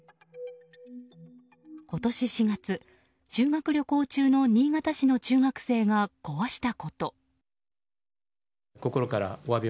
今年４月、修学旅行中の新潟市の中学生が壊したこと。